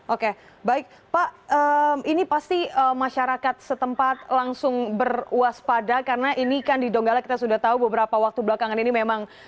oke baik pak ini pasti masyarakat setempat langsung berwaspada karena ini kan di donggala kita sudah tahu beberapa waktu belakangan ini memang